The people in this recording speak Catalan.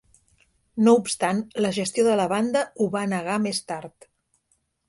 No obstant, la gestió de la banda ho va negar més tard.